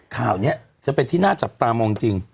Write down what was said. ข่าวนี้จะเป็นที่น่าจับตามองจริง